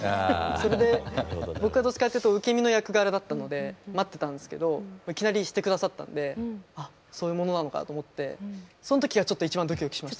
それで僕はどっちかっていうと受け身の役柄だったので待ってたんですけどいきなりして下さったんであっそういうものなのかと思ってその時はちょっと一番ドキドキしました。